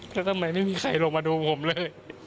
แล้วทำไมไม่มีใครลงมาดูผมเลย